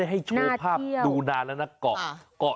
มันก็ให้โชว์ภาพดูดานักก่อตะลุเตา